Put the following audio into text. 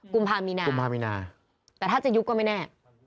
ภามีนากุมภามีนาแต่ถ้าจะยุบก็ไม่แน่